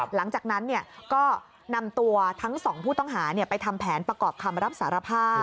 หลังจากนั้นก็นำตัวทั้งสองผู้ต้องหาไปทำแผนประกอบคำรับสารภาพ